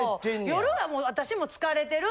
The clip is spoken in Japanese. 夜はもう私も疲れてる。